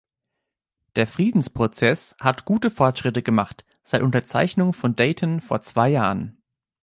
Der Friedensprozess hat gute Fortschritte gemacht seit Unterzeichnung von Dayton vor zwei Jahren.